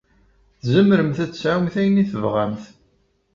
Tzemremt ad tesɛumt ayen i tebɣamt.